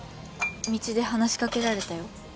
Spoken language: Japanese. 道で話しかけられたよ。